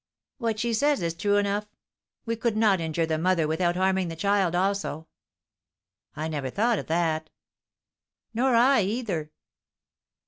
"What she says is true enough. We could not injure the mother without harming the child also." "I never thought of that." "Nor I either."